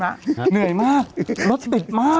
เหนื่อยมากรถติดมาก